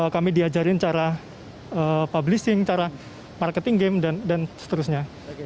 kami diajarin cara publishing cara marketing game dan seterusnya